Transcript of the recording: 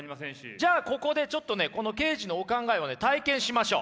じゃあここでちょっとねこのケージのお考えを体験しましょう。